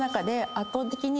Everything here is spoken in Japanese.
圧倒的に。